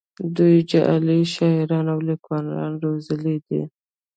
دوی جعلي شاعران او لیکوالان روزلي دي